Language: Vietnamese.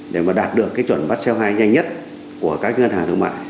để mà đạt được cái chuẩn bắt xe hai nhanh nhất của các ngân hàng thương mại